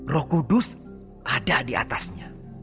roh kudus ada di atasnya